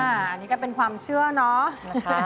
อันนี้ก็เป็นความเชื่อเนาะนะคะ